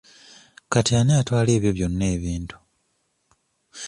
Kati ani atwala ebyo byonna ebintu?